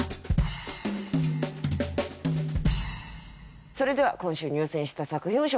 それでは今週入選した作品を紹介していきます。